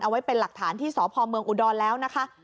ไว้เป็นหลักฐานที่สพเมืองอุดรแล้วนะคะ